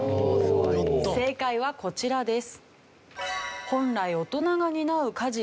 正解はこちらです。